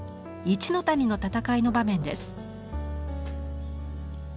「一ノ谷の戦い」の場面です。